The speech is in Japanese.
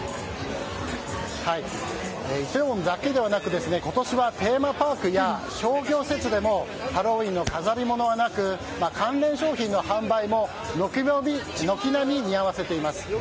梨泰院だけではなく今年はテーマパークや商業施設でもハロウィーンの飾り物はなく関連商品の販売も軒並み見合わせています。